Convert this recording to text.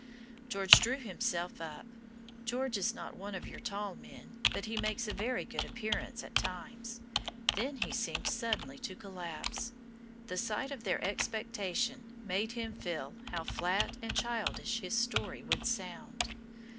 George drew himself up George is not one of your tall men, but he makes a very good appearance at times. Then he seemed suddenly to collapse. The sight of their expectation made him feel how flat and childish his story would sound.